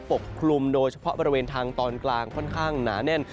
ปกคลุมโดยเฉพาะบริเวณทางตอนกลางค่อนข้างหนาแน่น